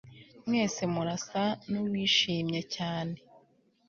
Mwese murasa nuwishimye cyane